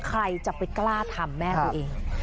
ใครจะไปกล้าทำแม่ตัวเอง